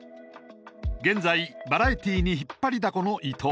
現在バラエティーに引っ張りだこの伊藤。